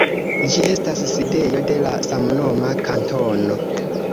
Ĝi estas sidejo de la samnoma kantono.